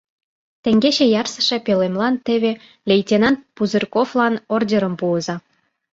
— Теҥгече ярсыше пӧлемлан теве, лейтенант Пузырьковлан ордерым пуыза.